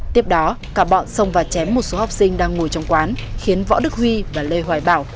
tiếp đó cả bọn xông vào chém một số học sinh đang ngồi trong quán khiến võ đức huy và lê hoài bảo